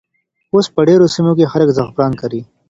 اوس په ډېرو سیمو کې خلک زعفران کري.